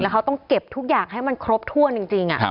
เขาต้องเก็บทุกอย่างให้มันครบถ้วนจริง